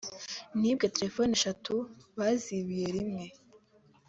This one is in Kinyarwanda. “Nibwe telefoni eshatu bazibiye rimwe